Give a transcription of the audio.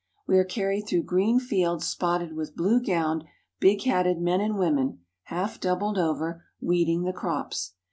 We are carried through green fields spotted with blue gowned, big hatted men and women, half doubled over, weeding the crops.